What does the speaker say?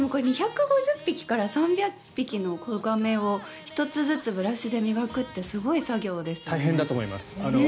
２５０匹から３００匹の子亀を１つずつブラシで磨くってすごい作業ですね。